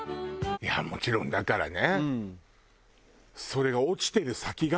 いやもちろんだからね。